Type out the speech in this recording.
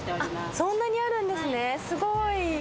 そんなにあるんですね、すごーい。